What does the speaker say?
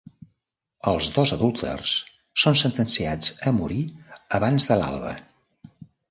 Els dos adúlters són sentenciats a morir abans de l’alba.